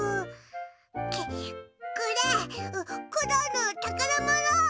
これコロンのたからもの！